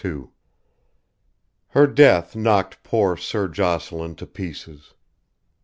II Her death knocked poor Sir Jocelyn to pieces.